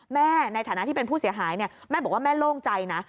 ในฐานะที่เป็นผู้เสียหายแม่บอกว่าแม่โล่งใจนะ